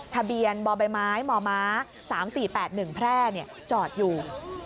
ทะเบียนบ่อใบไม้มม๓๔๘๑แพร่จอดอยู่